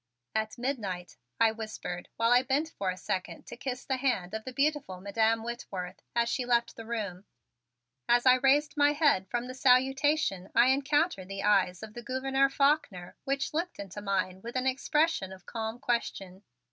"At midnight," I whispered while I bent for a second to kiss the hand of the beautiful Madam Whitworth as she left the room. As I raised my head from the salutation I encountered the eyes of the Gouverneur Faulkner, which looked into mine with an expression of calm question.